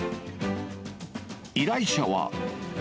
依頼者は。